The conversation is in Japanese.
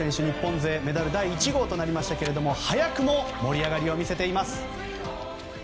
日本勢メダル第１号となりましたが早くも盛り上がりを見せています。